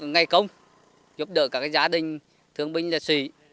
ngày công giúp đỡ các gia đình thương binh gia sĩ